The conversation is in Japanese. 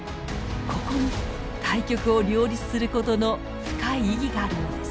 ここに対極を両立することの深い意義があるのです。